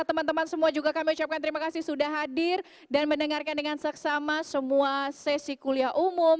teman teman semua juga kami ucapkan terima kasih sudah hadir dan mendengarkan dengan seksama semua sesi kuliah umum